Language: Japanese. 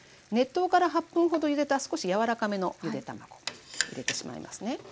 熱湯から８分ほどゆでた少し柔らかめのゆで卵。入れてしまいますね。